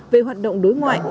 về hoạt động đối ngoại